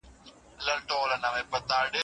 تاسو باید د زکات په اهمیت پوه سئ.